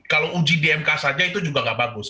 kalau uji dmk saja itu juga tidak bagus